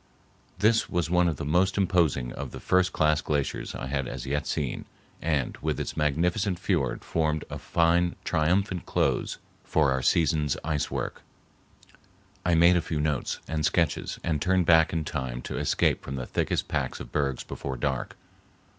This was one of the most imposing of the first class glaciers I had as yet seen, and with its magnificent fiord formed a fine triumphant close for our season's ice work. I made a few notes and sketches and turned back in time to escape from the thickest packs of bergs before dark.